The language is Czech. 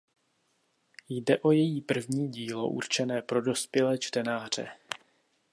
Jde o její první dílo určené pro dospělé čtenáře.